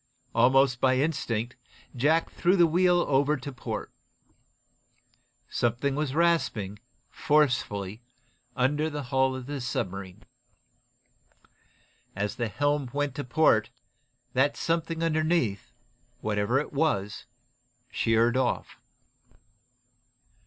Almost by instinct Jack threw the wheel over to port. Something was rasping, forcefully, under the hull of the submarine. As the helm went to port that something underneath, whatever it was, sheered off.